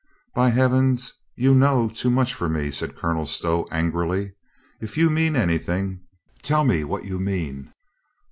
"By Heaven, you know too much for me," said Colonel Stow angrily. "If you mean anything, tell me what you mean."